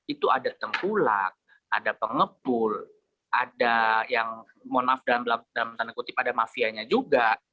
itu ada tengkulak ada pengepul ada yang mohon maaf dalam tanda kutip ada mafianya juga